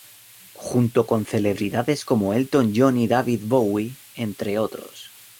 Junto con celebridades como Elton John y David Bowie, entre otros.